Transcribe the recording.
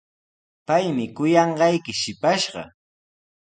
Paymi kuyanqayki shipashqa.